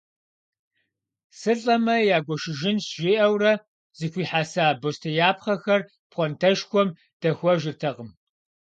«Сылӏэмэ, ягуэшыжынщ» жиӏэурэ, зэхуихьэса бостеяпхъэхэр пхъуантэшхуэм дэхуэжыртэкъым.